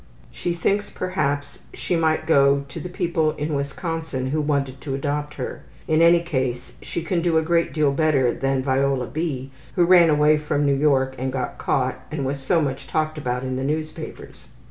She thinks perhaps she might go up to the people in Wisconsin who wanted to adopt her. In any case, she can do a great deal better than Viola B. who ran away from New York and got caught, and was so much talked about in the newspapers.